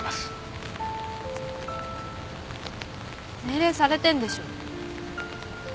命令されてんでしょ？